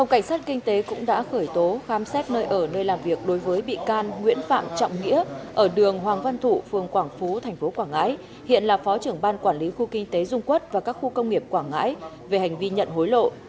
cảnh sát kinh tế cũng đã khởi tố khám xét nơi ở nơi làm việc đối với bị can nguyễn phạm trọng nghĩa ở đường hoàng văn thụ phường quảng phú tp quảng ngãi hiện là phó trưởng ban quản lý khu kinh tế dung quốc và các khu công nghiệp quảng ngãi về hành vi nhận hối lộ